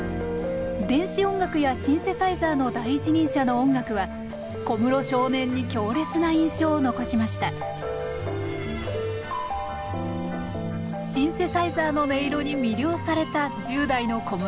電子音楽やシンセサイザーの第一人者の音楽は小室少年に強烈な印象を残しましたシンセサイザーの音色に魅了された１０代の小室さん。